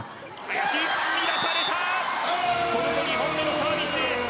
崩されたトルコ２本目のサービスエース。